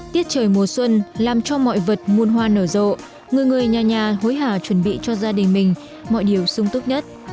tiết trời mùa xuân làm cho mọi vật muôn hoa nở rộ người người nhà nhà hối hà chuẩn bị cho gia đình mình mọi điều sung túc nhất